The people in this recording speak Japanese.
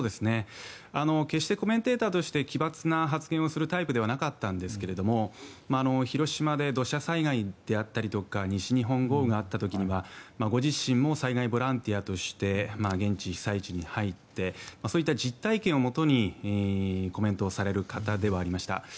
決してコメンテーターとして奇抜な発言をするタイプではなかったんですけど広島で土砂災害であったり西日本豪雨があった時にはご自身も災害ボランティアとして現地、被災地に入ってそういった実体験をもとにコメントをされる方ではありました。